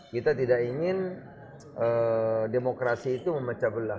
kita tidak ingin demokrasi itu memecah belah